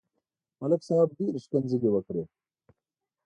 ملک صاحب ډېره کنځلې وکړې.